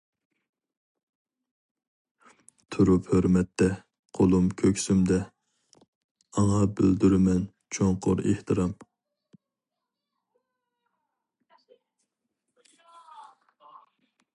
تۇرۇپ ھۆرمەتتە، قولۇم كۆكسۈمدە، ئاڭا بىلدۈرىمەن چوڭقۇر ئېھتىرام.